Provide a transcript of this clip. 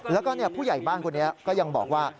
แล้วก็ผู้ใหญ่บ้านคนนี้ก็ยังบอกว่า